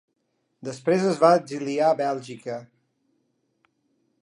Després es va exiliar a Bèlgica.